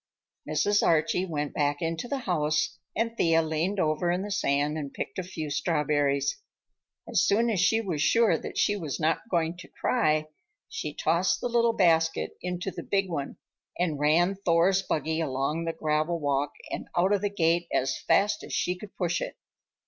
Mrs. Archie went back into the house and Thea leaned over in the sand and picked a few strawberries. As soon as she was sure that she was not going to cry, she tossed the little basket into the big one and ran Thor's buggy along the gravel walk and out of the gate as fast as she could push it.